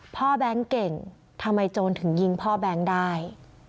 แบงค์เก่งทำไมโจรถึงยิงพ่อแบงค์ได้